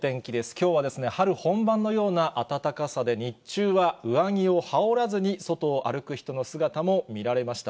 きょうは春本番のような暖かさで、日中は上着を羽織らずに外を歩く人の姿も見られました。